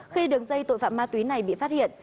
khi đường dây tội phạm ma túy này bị phát hiện